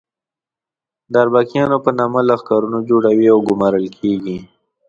د اربکیانو په نامه لښکرونه جوړوي او ګومارل کېږي.